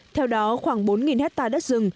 theo đó khoảng bốn hectare đất rừng